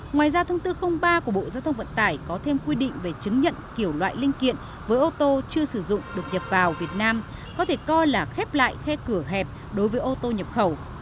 ngoài ra thông tư ba của bộ giao thông vận tải có thêm quy định về chứng nhận kiểu loại linh kiện với ô tô chưa sử dụng được nhập vào việt nam có thể coi là khép lại khe cửa hẹp đối với ô tô nhập khẩu